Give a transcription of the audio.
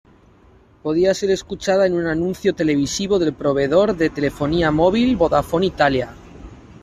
Podía ser escuchada en un anuncio televisivo del proveedor de telefonía móvil Vodafone Italia.